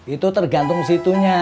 itu tergantung situnya